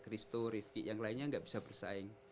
christo rifki yang lainnya gak bisa bersaing